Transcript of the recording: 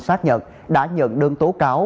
sát nhận đã nhận đơn tố cáo